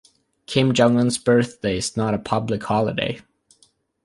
Kim Jong-un's birthday is not a public holiday.